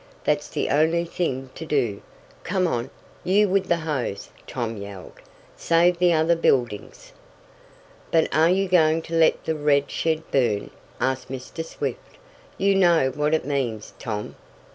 That's the only thing to do. Come on, you with the hose!" Tom yelled. "Save the other buildings!" "But are you going to let the red shed burn?" asked Mr. Swift. "You know what it means, Tom."